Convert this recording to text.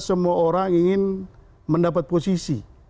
semua orang ingin mendapat posisi